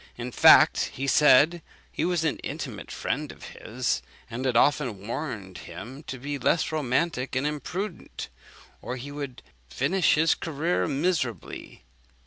In fact, he said he was an intimate friend of his, and had often warned him to be less romantic and imprudent, or he would finish his career miserably.